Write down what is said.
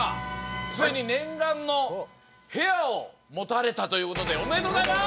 ついに念願の部屋を持たれたということでおめでとうございます！